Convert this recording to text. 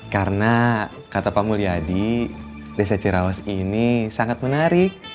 karena kata pak mulyadi desa ciraos ini sangat menarik